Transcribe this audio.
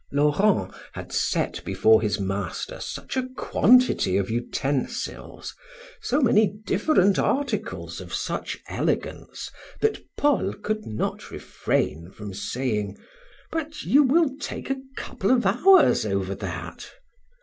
Laurent had set before his master such a quantity of utensils, so many different articles of such elegance, that Paul could not refrain from saying: "But you will take a couple of hours over that?"